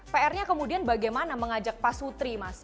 pr nya kemudian bagaimana mengajak pak sutri mas